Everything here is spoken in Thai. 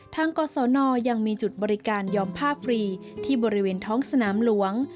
กศนยังมีจุดบริการยอมผ้าฟรีที่บริเวณท้องสนามหลวง